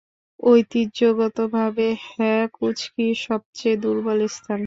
ঐতিহ্যগতভাবে, হ্যাঁ, কুঁচকি সবচেয়ে দুর্বল স্থান।